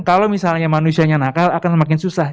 kalau misalnya manusianya nakal akan semakin susah